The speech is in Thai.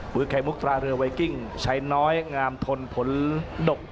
ไข่มุกตราเรือไวกิ้งชัยน้อยงามทนผลดก